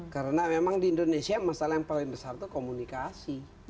karena memang di indonesia masalah yang paling besar itu komunikasi